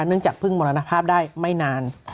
เนื่องจากเพิ่งมรณภาพได้ไม่นาน